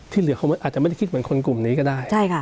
เหลือเขาอาจจะไม่ได้คิดเหมือนคนกลุ่มนี้ก็ได้